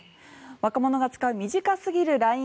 若者が使う短すぎるＬＩＮＥ